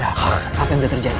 apa yang terjadi